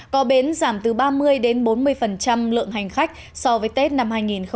có bến giảm từ ba mươi đến bốn mươi lượng hành khách so với tết năm hai nghìn một mươi chín